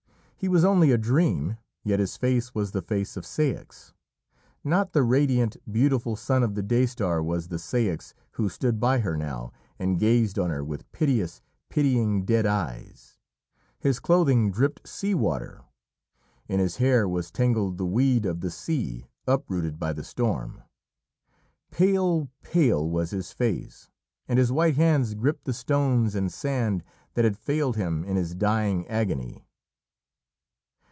He was only a dream, yet his face was the face of Ceyx. Not the radiant, beautiful son of the Day Star was the Ceyx who stood by her now and gazed on her with piteous, pitying dead eyes. His clothing dripped sea water; in his hair was tangled the weed of the sea, uprooted by the storm. Pale, pale was his face, and his white hands gripped the stones and sand that had failed him in his dying agony.